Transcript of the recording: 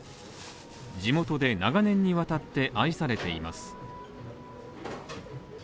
地元で長年にわたって愛されています。